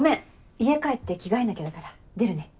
家帰って着替えなきゃだから出るね。